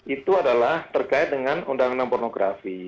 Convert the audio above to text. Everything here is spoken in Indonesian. itu adalah terkait dengan undang undang pornografi